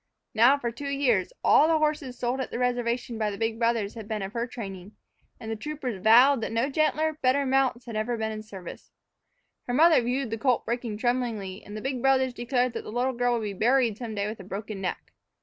Now, for two years, all the horses sold at the reservation by the big brothers had been of her training, and the troopers vowed that no gentler, better mounts had ever been in the service. Her mother viewed the colt breaking tremblingly, and the big brothers declared that the little girl would be buried some day with a broken neck.